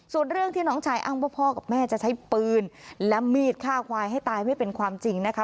ส่วนเรื่องที่น้องชายอ้างว่าพ่อกับแม่จะใช้ปืนและมีดฆ่าควายให้ตายไม่เป็นความจริงนะคะ